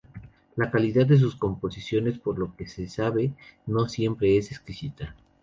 La calidad de sus composiciones, por lo que se sabe, no siempre es exquisita.